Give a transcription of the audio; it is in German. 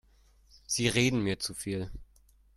Sie reden mir zu viel.